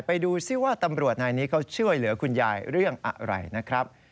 ไปดูซิว่าตำรวจนายนี้เขาช่วยเหลือคุณยายเรื่องอะไรนะครับ